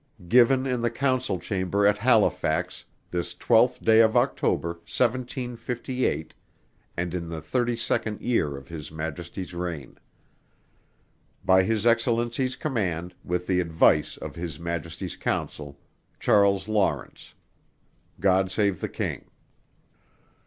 Given in the Council Chamber at Halifax, this 12th day of October, 1758, and in the thirty second year of His Majesty's Reign. By His Excellency's command, } with the advice of His Majesty's } CHARLES LAWRENCE. Council } GOD SAVE THE KING!